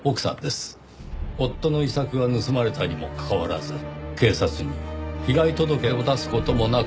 夫の遺作が盗まれたにもかかわらず警察に被害届を出す事もなく。